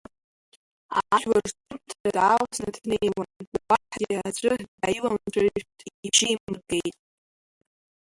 Ажәлар рҿымҭра далсны днеиуан, уаҳагьы аӡәы дааиламцәажәт, ибжьы имыргеит.